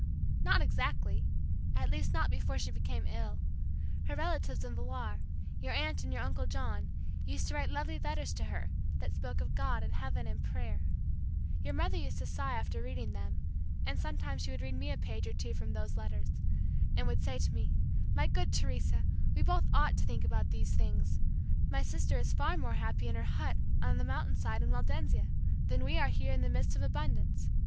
'" "Not exactly at least, not before she became ill. Her relatives in Villar your Aunt and your Uncle John used to write lovely letters to her, that spoke of God and heaven and prayer. Your mother used to sigh after reading them, and sometimes she would read me a page or two from those letters, and would say to me, 'My good Teresa, we both ought to think about these things! My sister is far more happy in her hut on the mountain side in Waldensia than we are here in the midst of abundance.